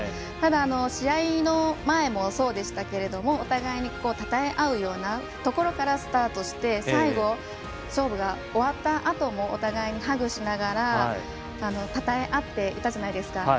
ただ、試合の前もそうでしたけどお互いにたたえ合うようなところからスタートして最後、勝負が終わったあともお互いにハグをしながらたたえ合っていたじゃないですか。